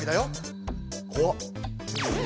怖っ！